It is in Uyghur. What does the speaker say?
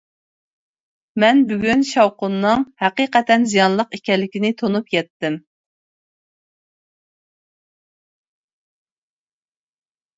مەن بۈگۈن شاۋقۇننىڭ ھەقىقەتەن زىيانلىق ئىكەنلىكىنى تونۇپ يەتتىم.